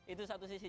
itu satu sisi